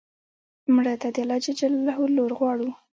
مړه ته د الله ج لور غواړو